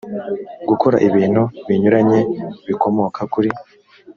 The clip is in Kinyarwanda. gukora ibintu binyuranye bikomoka kuri